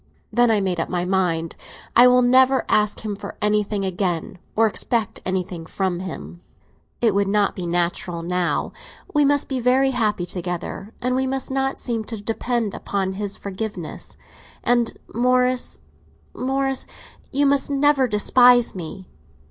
Then I made up my mind. I will never ask him for anything again, or expect anything from him. It would not be natural now. We must be very happy together, and we must not seem to depend upon his forgiveness. And Morris, Morris, you must never despise me!"